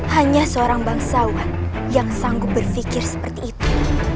hanya seorang bangsawan yang sanggup berpikir seperti itu